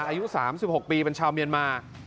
อายุ๓๖ปีเป็นชาวเมียนมา